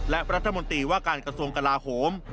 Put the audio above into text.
และรัฐมนตรีว่าการกระทรวงกลาโหม